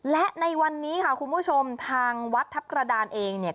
และในวันนี้ค่ะคุณผู้ชมทางวัดทัพกระดานเองเนี่ย